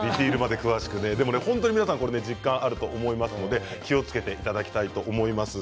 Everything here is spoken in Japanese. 皆さん実感があると思いますので、気をつけていただきたいと思います。